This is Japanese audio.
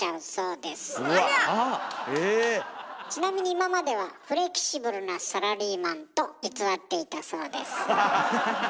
ちなみに今までは「フレキシブルなサラリーマン」と偽っていたそうです。